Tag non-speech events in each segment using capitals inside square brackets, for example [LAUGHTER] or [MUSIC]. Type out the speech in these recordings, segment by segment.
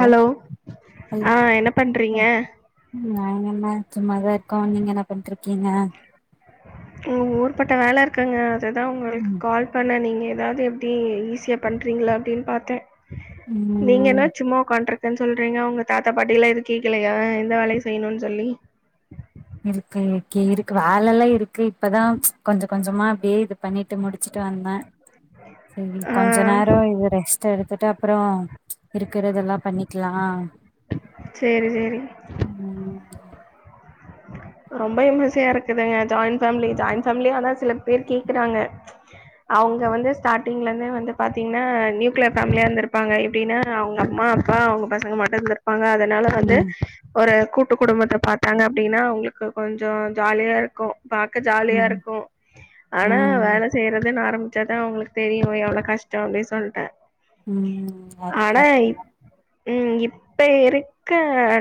Hello ஆ என்னே பண்றீங்கே நாங்கென்னே சும்மாதா இர்க்கோ நீங்கே என்னா பண்ட்டுருக்கீங்கே ம் ஊ்ர்ப்பட்டே வேல இர்க்குங்கே ததா உங்குளுக் ம் கால் பண்ணே நீங் ஏதாத் எப்டி ஈஸியா பண்றீங்ளா அப்டின் பாத்தே ம் நீங்கேனா சும்மா ஒக்கான்ட்டுரு தன் சொல்றீங்கே உங்க தாத்தா பாட்டியலா எதூ கேக்கிலையா எந்த வேலயு செய்ணுன் சொல்லி இருக்குங் ஓகே இருக் வேலலா இருக்கு இப்பதா ச்ச கொஞ்சோ கொஞ்சோமா அப்டே இரு பண்ணிட்டு முடிச்சிட்டு வந்தே செரி ஆ கொஞ்சோ நேரோ இவுரெஸ் டு எடுத்துட்டு அப்புறோ ச்ச இருக்கறதெல்லா பண்ணிக்கிலா செரி செரி ம் ரொம்பே [UNINTELLIGIBLE] இருக்குதுங்கே ஜாயின் ஃபேமிலி ஜாயின் ஃபேமிலி ஆனா சில பேர் கேக்கிறாங்க ச்ச அவுங்க வந்து ஸ்டார்ட்டிங்லேந்தே வந்து பாத்தீங்னா நியூக்ளியர் ஃபேமிலியா இந்திருப்பாங்கே எப்டினா அவுங்க அம்மா அப்பா அவுங்க பசங்கே மட்டுந்தா பாங்க அதுனால வந்து ம் ஒரு கூட்டு குடும்பத்த பாத்தாங்க அப்படின்னா அவங்களுக் கு கொஞ்சொ ஜாலியா இருக்கு பாக்க ஜாலியா ம் இருக்கு ஆனா ம் வேல செய்யறதுன்னு ஆரம்பி ச்சாதா ஒங்களுக்கு தெரியு எவ்ளோ கஷ்டொ அப்படின் சொல்ட்ட உம் அது கர்ட்தா ம் இப்ப இருக்க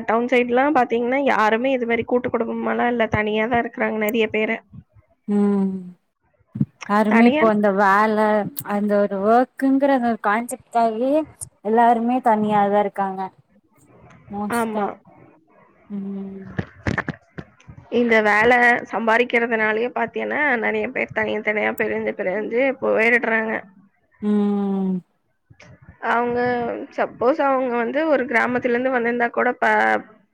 டவுன் சைட்ல்லா பாத்தீங்ன்னா யாருமே இது மாரி கூட்டு குடும்பமால்லா இல்ல தனியாதா இருக்குறாங்க நெறைய பேரு உம் யாருமே தனியா இப்போ அந்த வேல அந்த த ஒர்க்குங்கற அ கான்செப்ட்டுக்காகவே எல்லாருமே தனியாதா இருக்காங்க மோஷ்டா ஆமா ம் இந்த வேல சம்பாரிக்கிறதுனாலயே பாத்தீங்கன்னா நெறைய பேர் தனிய தனியா பிரிஞ்சு பிரிஞ்சு போயடுறாங்க உம் அவங்க சப்போஸ் அவங்க வந்து ஒரு கிராமத்துல இருந்து வந்திருந்தா கூட ப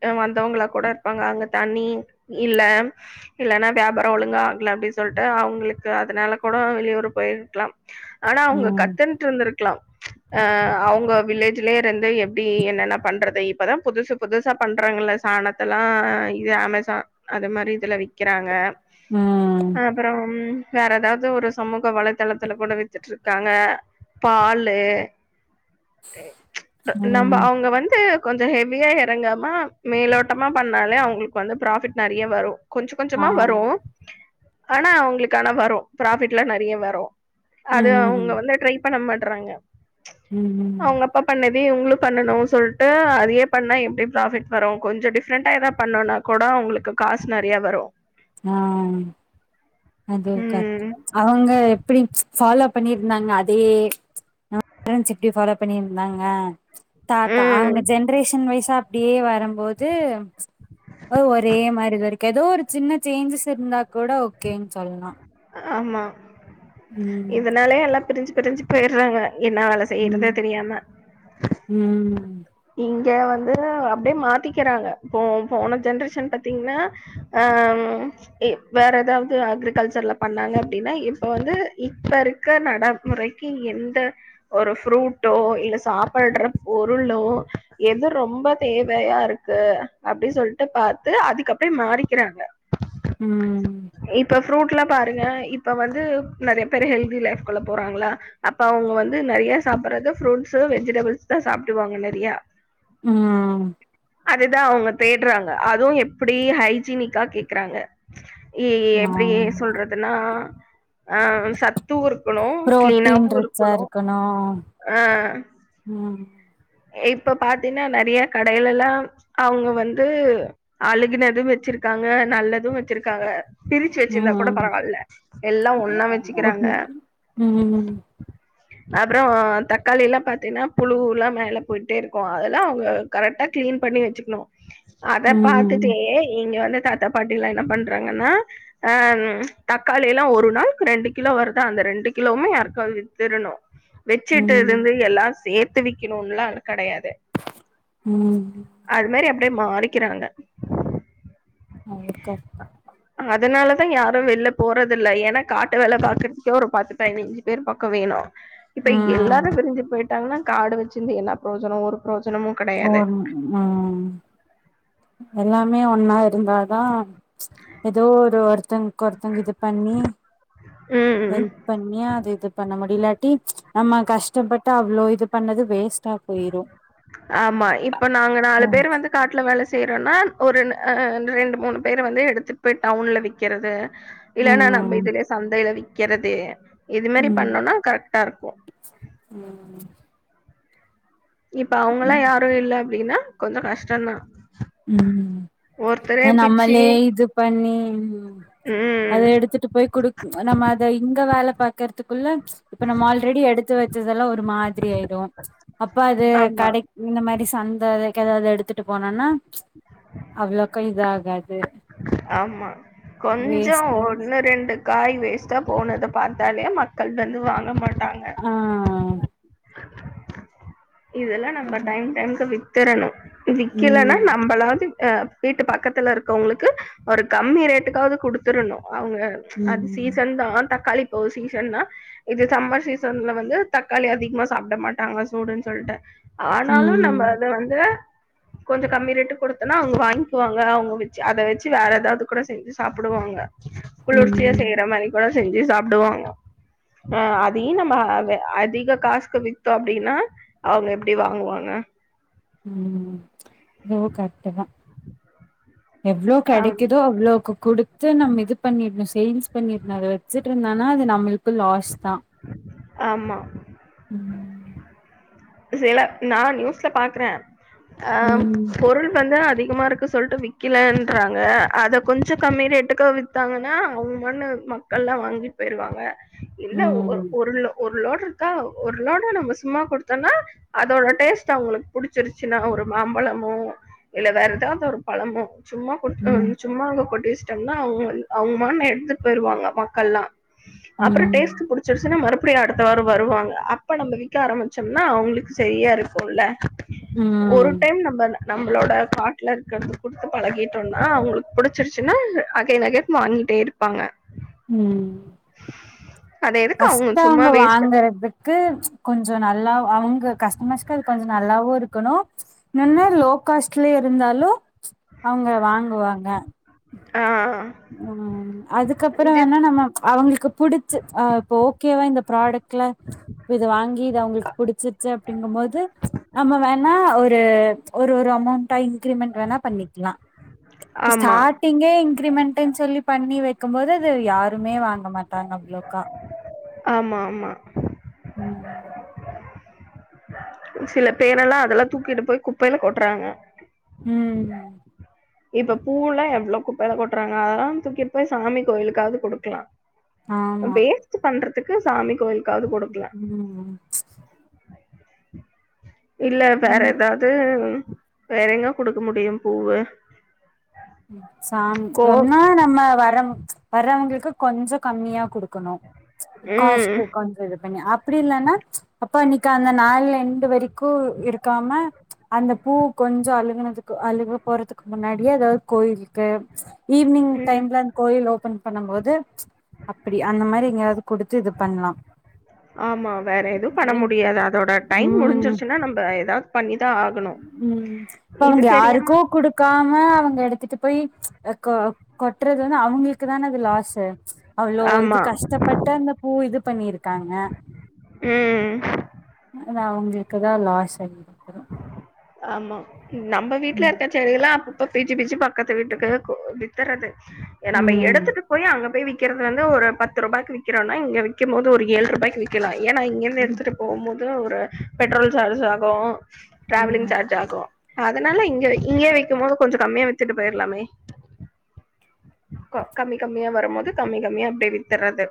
அ வந்தவங்களா கூட இருப்பாங்க அங்க தண்ணி இல்ல இல்லன்னா வியாபாரொ ஒழுங்கா ஆகல அப்டி சொல்ட்டு அவங்களுக்கு அதனால கூட வெளியூர் போயிருக்கலா ஆனா அவங்க ம் கத்துன்ட்டு இருந்துருக் க்லா அ அவங்க வில்லேஜ்லய இருந்து எப்டி என்னென்ன பண்றது இப்பதா புதுசு புதுசா பண்றாங்கல்ல சாணத்தெல்லா இது அமேசா அது மாரி இதுல விக்கிறாங்க உம் அப்புறம் வேற எதாவது ஒரு சமூக வலைதளத்துல கூட வித்துட்டு இருக்காங்க பால் நம்ப ம் அவங்க வந்து கொஞ்சொ ஹெியா எறங்காம் ம மேலோட்டமா பண் ணாலே அவங்களுக் வந்து ப்ராஃபிட் நெறய வரு கொஞ்ச கொஞ்சமா வரூ ஆமா ஆனா அவங்களுக் ஆனா வரு ப்ராஃபிட்லா நெறய வரு அது ம் அவுங்க வந்து ட்ரைப் பண்ண மாட்றாங்க ம் அவங்க அப்பா பண்ணத் தே இவ்ங்களு பண்ணனு சொல்ட்டு அதயே பண்ணா எப்டி ப்ராஃபிட் வரூ கொஞ்ச டிஃப்ரண்டா எதா பண்ணோன்னா கூட அவ்ங்களுக்கு காஸ் நெறய வரு ஆ அது ம். கர்ட்டுதா அவ்ங்க எப்டி ச் ஃபாலோ பண்ணிர்ந்தாங்க அதே [INAUDIBLE] எப்டி ஃபாலோ பண்ணிர்ந்தாங்க தாத்தா ம். அவங்க ஜென்ரேஷன் வய்சா அப்டியே வரம்போது ஒ ஒரே மாரி இது வரிக்கு எதோ ஒரு சின்ன சேஞ்சஸ் இர்ந்தா கூட ஓகேன் சொல்லலா ஆமா ம் இதனால எல்லா பிரிஞ்சு பிரிஞ்சி போயறாங்க என்னா வேல செய்றதுனே ம் தெரியாம ம் இங்க வந்து அப்டே மாத்திக்கிறாங்க இப்போ போன ஜென்ரேஷன் பாத்திங்னா ஆ ம் வேற எதாவுது அக்ரிகல்ச்சர்ல பண்ணாங்க அப்டின்னா இப்ப வந்து இப்பருக்க நடமுறைக்கி எந்த ஒரு ஃப்ரூட்டோ இல்ல சாப்பட்ற பொருளோ எது ரொம்ப தேவையாருக்கு அப்டி சொல்ட்டு பாத்து அதுக்கப்டே மாறிக்கறாங்க ம் ஃப்ரூட்லா பாருங்க இப்ப வந்து நெறைய பேரு ஹெல்தி லைஃப்க்குள்ள போறாங்ளா அப்ப அவுங்க வந்து நெறைய சாப்படறது ஃப்ரூட்ஸு வெஜிடபுள்ஸ் தா சாப்டுவாங்க நெறியா ம் அதுதா அவுங்க தேட்றாங்க அதுவு எப்டி ஹைஜீனிக்கா கேக்றாங்க எ எப்டி ஆ சொல்றதுனா ஆ சத்து இருக்குணு, புரோட்டீன் கிளீனாவு ரிச்சா இருக்குணு, இருக்கணு ஆ ம் இப்ப பாத்தினா நெறைய கடைலல்லா அவுங்க வந்து அழுகினது வெச்சிருக்காங்க நல்லதும் வெச்சிருக்காங்க பிரிச்சு வச்சிருந்தா கூட ம் பரவால்ல எல்லா ஒன்னா வச்சிக்குறாங்க ம் அப்றோ தக்காளி எல்லா பாத்திங்னா புழுவுலா மேல போய்ட்டே இருக்கு அதெல்லா அவங்க கரெக்ட்டா கிளீன் பண்ணி வச்சுக்ணு அத ம் பாத்துட்டே இங்க வந்து தாத்தா பாட்டிலா என்ன பண்றாங்கன்னா அ தக்காளியல்லா ஒரு நாள்க்கு ரெண்டு கிலோ வருதா அந்த ரெண்டு கிலோவுமே யாருக்காது வித்துருனு வெச்சுட்டு ம் இருந்து எல்லா சே த்து விக்கினுன்ல்லா கடயாது ம் டே மாறிக்கிறாங்க அழுக்கா இருக்கு அதுனாலதா யாரு வெள்ல போறதில்ல ஏன்னா காட்டு வேல பாக்குறத்க்கே ஒரு பத்து பதினஞ்சு பேர் பக்கொ வேணு இப்ப ம் எல்லாரு பிரிஞ்சு போயிட் டாங்னா காடு வச்சிருந்து என்னா ப்ரோஜனொ ஒரு ப்ரோஜ் [UNINTELLIGIBLE] ம் எல்லாமே ஒன்னா இருந்தாதா ஏதோ ஒரு ஒருத்தங்க்கு ஒருத்தங்க இது பண்ணி ம். ஹெல்ப் பண்ணி அது இது பண்ண முடிலாட்டி நம்ம கஷ்டப்பட்டு அ வ்ளோ இது பண்ணது வேஸ் ஆமா இப்ப நாங்க நாலு பேர் வந்து காட்ல வேல செய்றோன்னா ஒரு ந ஆ ரெண்டு மூணு பேர் வந்து எடுத்துட் போய் டௌன்ல விக்கிறது ம் இல்லன்னா நம்ம ம் இதுலயே சந்தைல விக் க்கெறது இது மேரி பண்ணோனா கரெக்ட்டா இருக்கு இப்ப அவங்கல்லா ம் யாரு இல்ல அப்டின்னா கொஞ்ச கஷ்டந்தா ம் அத பிச்சு நம்மளே இது பண்ணி ம் அத ம். எடுத்துட்டு போய் குடுக் நம்ம அத இங்க வேல பாக்கறத்துக்குள்ள இப்ப நம்ம ஆல்ரெடி எடுத்து வெச் சதெல்லா ஒரு மாதிரி ஆயிடு அப்ப அது ஆமா, கடைக் இந்த மாரி சந்த எதாது எடுத்துட்டு போனான்னா அவளோக்கா இதாகாது ஆமா கொஞ்ச ஒன்னு ரெண்டு காய் வேஸ்ட்டா போனத பாத்தாலே மக்கள் வந்து வாங்க மாட் டாங்க ஆ இதெல்லா நம்ம அது டைம் டைம்க்கு வித் திரணு விக்கலன்னா ம் நம்பளாது அ வீட்டு பக்கத்துல இருக்கவங்களுக்கு ஒரு கம்மி ரேட்டுக்காவுது குடுத்துறணு அவங்க அது ம் சீசன்தா தக்காளி ஓ சீசன்னா இது சம்மர் சீசன்ல வந்து தக்காளி அதிகமா சாப்ட மாட்டாங்க சூடுன் சொல்ட்டு ஆனாலு ம் நம்ம அத வந்து கொஞ்ச கம்மி ரேட்டு குடுத்தன்னா அவங்க வாங்க்குவாங்க அவங்க வெச்சு அத வெச்சு வேற எதாவது கூட செஞ்சு சாப்புடுவாங்க குளிர்ச்சியா ம் செய்யற மாரி செஞ்சு சாப்டுவாங்க அ அதையு நம்ம வெ அதிக காசுக்கு வித்தோ அப்டின்னா அவுங்க எப்டி வாங்குவாங்க ம் இதுவு கரெக்ட்டுதா எவ்ளோ ஆம் கெடைக்குதோ அவ்ளோக்கு குடுத்து நம்ம இது பண்ணிர்ணு சேல்ஸ் பண்ணிர்ணு அத வெச்சுட்ருந்தானா அது நம்மளுக்கு லாஸ்தா ஆம்மா சில நா நியூஸ்ல பாக்றேன் ஆ ம் பொருள் வந்த அதிகமா இருக்கு சொல்ட்டு விக்கிலன்றாங்க அத கொஞ்சோ கம்மி ரேட்டுக்கு வித்தாங்கன்னா அவுங்க மண்ணு மக்கள்லாம் வாங்கிட் போயிருவாங்க இல்ல ஒரு ம் பொருள்ல ஒரு லோடு இருக்கா ஒரு லோட நம்ம சும்மா கொடுத் தன்னா அதோட டேஸ்ட் அவங்களுக்கு புடிச்சிருச்சின்னா ஒரு மாம்பழமோ இல்ல வேற ஏதாது ஒரு பழமோ சும்மா கொட்த்து ம் சும்மா அங்க கொட்டி வச் ட்டாங்னா அவ்ங் அவ்ங்க மாமா எட்த்துட் போயிருவாங்க மக்கள்னா அப்றோ ம் டேஸ்ட்டு புடிச்சிருச்சுனா மறுப் ப்படி அடுத்த வார வருவாங்க அப்ப நம்ம விக்க ஆரம்மிச் ச்சம்னா அவ்ங்களுக்கு செரியா இருக்கும்ல ஒரு ம் டைம் நம்பள நம்பளோட கார்ட்ல இருக்கிறது குடுத்து பழகிட்டோம்னா அவ்ங்களுக்கு புடிச்சிருச்சுனா அகைன் அகைன் வாங்கிட்டே இருப்பாங்க உம் அத எதுக்கு அவங்க ஃபஸ்ட்டு சும்மா அவ்ங்க வேஸ்ட் வாங்கறதுக்கு கொஞ்ச நல்லா அவ்ங்க கஸ்டமர்ஸ்கு அது கொஞ்ச நல்லாவு இருக்கணு இன்னோ லோ காஸ்ட்லே இருந்தாலு அவ்ங்க வாங்குவாங்க ஆஹ் உம் அதுக்கப்பறோ வேணா நம்ம அவ்ங்களுக்கு புடிச்சு அஹ் இப்ப ஓகேவா இந்த ப்ராடெக்ட்டு இத வாங்கி இது அவ்ங்களுக்கு புடிச்சிர் சச்சு அப்டிங்கும் போது நம்ம வேணா ஒரு ஓ ஒவ்வொரு அமௌண்டா இன்கிரிமென்ட் வேணா பண்ணிக்லா இப்ப ஆமா ஸ்டார்டிங்கே இன்கிரிமெண்ட் இப்ப பண்ணி வக் கம் போது அது யாருமே வாங்க மாட்டாங்க அவ்ளோக்கா ஆமா ஆமா உம் சில பேரெல்லா அதெல்லா தூக்கிட்டு போய் குப்பைல கொட்றாங்க உம் இப்ப பூலா எவ்ளோ குப்பைல கொட்றாங்க அதெல்லா தூக்கிட் போய் சாமி கோயிலுக்காது குடுக்லா வேஸ்ட்டு பண்ற துக்கு சாமி கோயில் உம் உம் இல்ல வேற எதாவ்து வேற எங்க குடுக்க முடியும் பூவ சாமி ஒன்னா நம்ம வரம் வர்றவ்ங்களுக்கு கொஞ்ச கம்மியா குடுக்கணு ம் காஸ்டு கொஞ்ச இது பண்ணி அப் ப்டி இல்லனா அப்ப இன்னைக்கு அந்த நாலு என்டு வரைக்கு இருக்காம அந்த பூ கொஞ்ச அழுங்குனதுக்கு அழுகி போறத்துக்கு முன்னாடியே வெட் கோயிலுக்கு ஈவினி்ங் ம் டைம்ல அந் கோயில் ஓப்பன் பண்ணம் போது அப்டி அந்த மாரி எங்கயாவ்து குடுத்து இது பண்லா ஆமா வேற எது பண்ண முடியாது அதோட டைம் ம் முடிஞ்சிருச்சுனா நம்ப எதாவ்து பண்ணி ம் இப்ப அவங்க தெரியாம யாருக்கோ குடுக்காம ங்க எடுத்துட்டு போய் கொ கொட்றது வந்து அவ்ங்களுக் குதான அது லாசு அவ்ளோ இது ஆமா கஷ்டப்பட்டு அந்த பூ இது பண்ணிருக்காங்க ம் தா அவுங்களுக்குதா லாஸ் அதிகோ எதோ ஆமா நம்ப வீட்ல இருக்க செடியலா அப் ஒ இப்ப பிச்சு பிச்சு பக்கத்து வீட்டுக்கு கு வித்தற்றது எ நம்ப ம் எடத்துக்கு போய் அங்க பேய் விக் கிறது வந்து ஒரு பத்து ரூபாய்க்கு விக்கிறோனா இங்க விக்கும்போது போது ஒரு ஏழ்ரூபாய்க்கு விக்கலா ஏன்னா இங்க இருந்து எடுத்துட்டு போவும்மோது து ஒரு பெட்ரோல் சார்ஜ் ஆகு ட்ரேலிங் சார்ஜ் ம் ஆகு தனால இங்க இங்யே விக்கும்மோது கொஞ்ச கம்மியா வித்துட்டு போயிரலாமே கம்மி கம்மியா வரும்போது கம்மி கம்மியா அப்டியே வித்துறது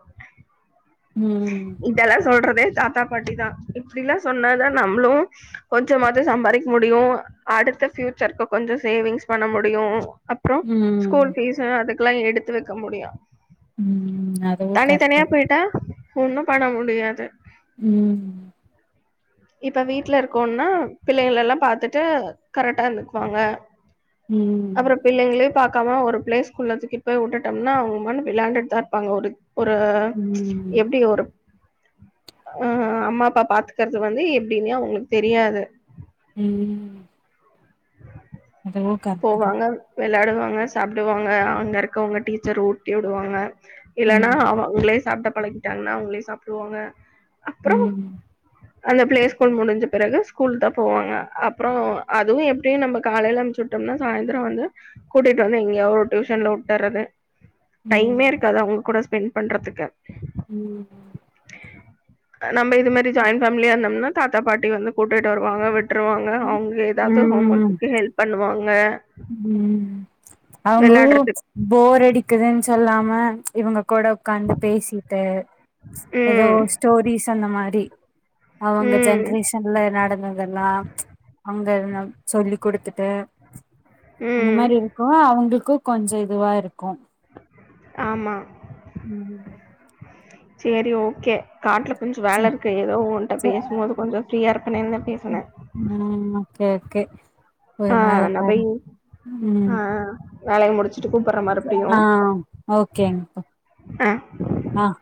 இதலா சொல்ற வே தாத்தா பாட்டிதா இப்டிலா சொன்னாதா நம்ளு கொஞ்சமாது சம்பாரிக் முடியு அடுத்த ஃபயூச்சருக்கு கொஞ்ச சேவிங்ஸ் பண்ண முடியு அப்றோ ம் ஸ்கூல் ஃபீஸ அதுக் எல்லா எடுத்து வெக்க முடியு ம் அதுவு தனி கரெக்ட்டு தனியா தா போய்ட்டா ஒண்ணு பண்ண முடியாது ம் இப்ப வீட்ல இருக்கோன்னா பிள்ளைகளெலா பாத்துட்டு கரெக்டா இருந்துக்குவாங்க ம் அப்புற பிள்ளைங்களே பாக்காம ஒரு பிளே ஸ்கூல்ல தூக்கிட்டு போய் உட்டுட்டம்னா அவங்க மான வெளையாண்டுட்டுதா இருப்பாங்க ஒரு ஒரு ம் எப்டி ஒரு ஆ அம்மா அப்பா பாத்துக்கற து வந்து எப்டினே அவங்களுக்கு தெரியாது ம் அதுவு கரெக்ட்டு தா போவாங்க வெளாடுவா அங்க சாப்டுவாங்க அங்க இருக்கவங்க டீச்சர் ஊட்டி உடுவாங்க இல்லனா ம் அ அவுங்களே சாப்ட பழகிட்டாங்னா அவங்களே சாப்ட்ருவாங்க ம் அந்த பிளே ஸ்கூல் முடிஞ்ச பிறகு ஸ்கூல்தா போவாங்க அப்ற அதுவு எப்டியு நம்ம காலைல அனுப்ச்சு விட்டம்னா சாயந்திரம் வந்து கூட்டிட்டு வந்து எங்கேயாவ ஒரு டியூஷன்ல விட்டுறது ம் டைமே இருக்காது அவங்க கூட ஸ்பெண்ட் பண்ணுறதுக்கு ம் நம்ம இது மாரி ஜாயிண்ட் ஃபேமிலியா இருந்தோம்னா தாத்தா பாட்டி வந்து கூட்டிட்டு வருவாங்க விட் விட்ருவாங்க ம் அவங்க ஏதாவது ஹோம் ஒர்க்கு ஹெல்ப் பண்ணுவாங் க உம் அவங்கு விளையாடுறதுக்கு போர் அடி க்குதன்னு சொல்லாம இவங்க கூட உட்காந்து பேசிட்டு ச்சு ஏதோ ம் ஸ்டோரிஸ் அந்த மாரி அவங்க ம் ஜென்ரேஷன்ல நடந்ததெல்லா ச்சு அவங்க சொல்லி் கொடுத்துட்டு அந்த ம். மாரி இருக்கவு அவங்களுக் கொ கொஞ்சோ இதுவா இருக் கோம் ஆமா. உம் சேரி ஓகே காட்ல கொஞ்ச வேல இருக்கு ஏதோ ஒ்கிட்ட ச பேசும் போது கொஞ்சோ ஃப்ரீயா இருப்பனேதா பேசனேன் கே ஆஹ் நா பய் ஆஹ் வேலைய முடிச்சு ஆஹ் ஓகேங்கப்பா ஆ. ஆஹ்